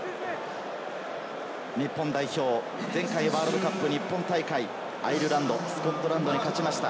日本代表、前回ワールドカップ日本大会、アイルランド、スコットランドに勝ちました。